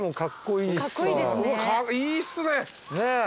いいっすね。